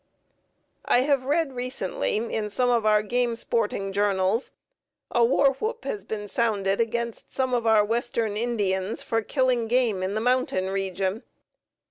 I have read recently in some of our game sporting journals, "A warwhoop has been sounded against some of our western Indians for killing game in the mountain region."